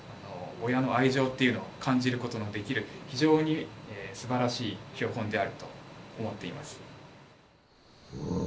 親の愛情っていうのを感じることのできる非常にすばらしい標本であると思っています。